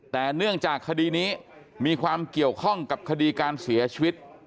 แต่เนื่องจากคดีนี้มีความเกี่ยวข้องกับคดีการเสียชีวิต